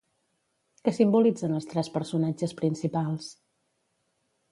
Què simbolitzen els tres personatges principals?